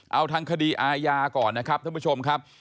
เอาทางคดีอาญาก่อนนะครับท่านผู้ชมครับ